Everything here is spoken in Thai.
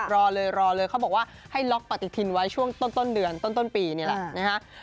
รอเลยรอเลยเขาบอกว่าให้ล็อกปฏิทินไว้ช่วงต้นเดือนต้นปีนี่แหละนะฮะ